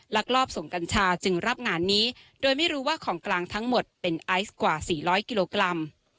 ลอบส่งกัญชาจึงรับงานนี้โดยไม่รู้ว่าของกลางทั้งหมดเป็นไอซ์กว่า๔๐๐กิโลกรัม